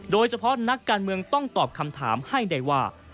โดยเฉพาะนักการเมืองต้องตอบคำถามให้ได้ว่า